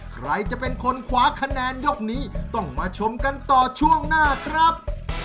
ใครจะเป็นคนขวาคะแนนยกนี้ต้องมาชมกันต่อช่วงหน้าครับ